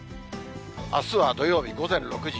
あすは土曜日、午前６時。